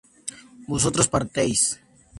vosotros partisteis